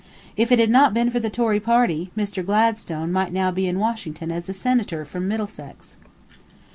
If it had not been for the Tory party, Mr. Gladstone might now be in Washington as a senator from Middlesex."